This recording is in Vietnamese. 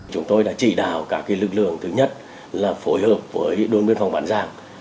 chúng tôi đã chỉ đào các lực lượng thứ nhất là phối hợp với đơn biên phòng bán giang